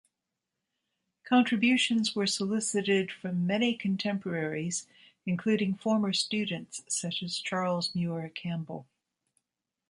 Contributions were solicited from many contemporaries, including former students such as Charles Muir Campbell.